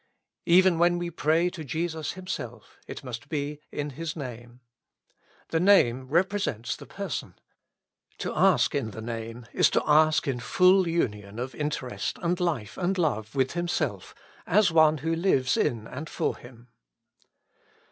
Even when we pray to Jesus Himself, it must be in His Name. The name represents the person ; to ask in the Name is to ask in full union of interest and life and love with Himself, as one who lives in and for Him.